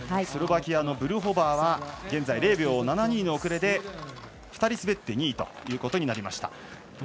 スロバキアのブルホバーは現在０秒７２の遅れで２人滑って２位ということになりました。